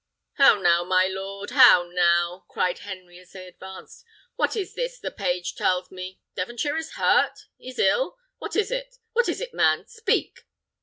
"How now, lord? how now?" cried Henry, as they advanced. "What is this the page tells me? Devonshire is hurt is ill? What is it? what is it, man? speak!"